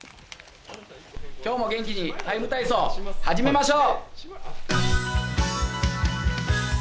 今日も元気に「ＴＩＭＥ，体操」始めましょう！